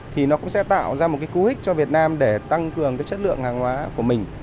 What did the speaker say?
thì nó cũng sẽ tạo ra một cái cú hích cho việt nam để tăng cường cái chất lượng hàng hóa của mình